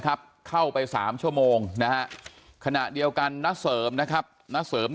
เข้าไป๓ชั่วโมงนะฮะขณะเดียวกันณเสริมนะครับณเสริม